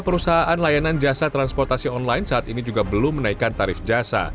perusahaan layanan jasa transportasi online saat ini juga belum menaikkan tarif jasa